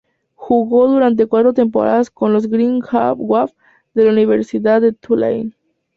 Jugó durante cuatro temporadas con los "Green Wave" de la Universidad de Tulane.